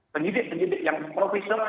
penyidik penyidik yang profesional